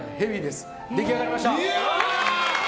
出来上がりました！